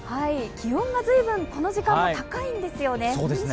気温が随分この時間も高いんですよね。